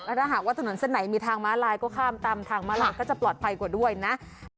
ถ้าหากว่าถนนเส้นไหนมีทางม้าลายก็ข้ามตามทางมาลายก็จะปลอดภัยกว่าด้วยนะ